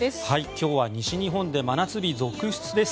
今日は西日本で真夏日続出です。